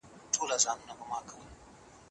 پاڼې له رحیم نه بښنه ونه غوښته.